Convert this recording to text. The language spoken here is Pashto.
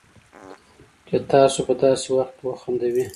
چې تاسو په داسې وخت کې وخندوي